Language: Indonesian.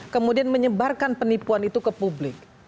kemudian menyebarkan penipuan itu ke publik